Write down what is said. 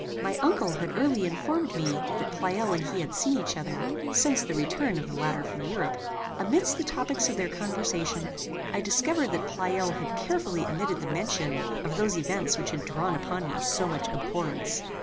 My uncle had early informed me that Pleyel and he had seen each other, since the return of the latter from Europe. Amidst the topics of their conversation, I discovered that Pleyel had carefully omitted the mention of those events which had drawn upon me so much abhorrence.